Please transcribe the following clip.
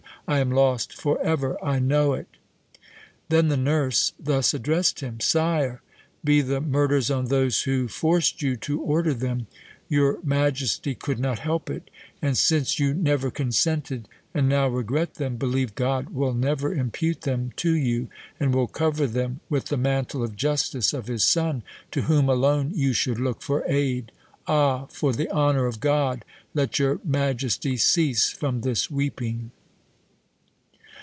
I am lost for ever! I know it.' Then the nurse thus addressed him: 'Sire, be the murders on those who forced you to order them; your majesty could not help it, and since you never consented, and now regret them, believe God will never impute them to you, and will cover them with the mantle of justice of his Son, to whom alone you should look for aid. Ah! for the honour of God, let your majesty cease from this weeping.'